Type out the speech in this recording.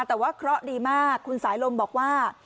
แต่ว่าเคราะห์ดีมากคุณสายลมบอกว่า